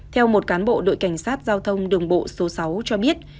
theo một cán bộ đội cảnh sát giao thông đường bộ số sáu cho biết